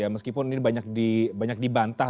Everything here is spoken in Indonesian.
meskipun ini banyak dibantah